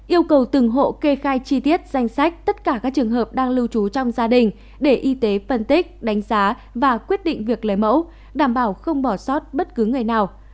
yêu cầu từng hộ kê khai chi tiết danh sách tất cả các trường hợp đang lưu trú trong gia đình để y tế phân tích đánh giá và quyết định việc lấy mẫu đảm bảo không bỏ sót bất cứ người nào